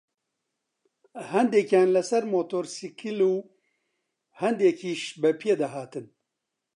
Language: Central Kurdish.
هەندێکیان لەسەر مۆتۆرسکیل و هەندێکیش بەپێ دەهاتن